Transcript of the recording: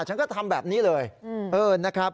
ฉันก็ทำแบบนี้เลยนะครับ